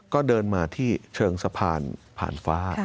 ก็เดินมาที่เชิงสะพานผ่านฟ้า